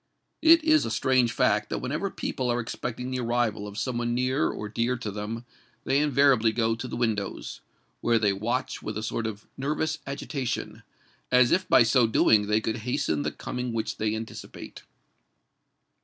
It is a strange fact that whenever people are expecting the arrival of some one near or dear to them, they invariably go to the windows, where they watch with a sort of nervous agitation—as if by so doing they could hasten the coming which they anticipate.